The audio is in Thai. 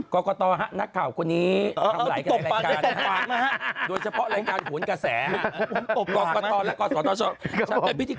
ก็ก็ต่อนะครับนักข่าวไปเอากัดแขวนนะฮะ